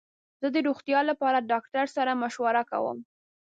زه د روغتیا لپاره ډاکټر سره مشوره کوم.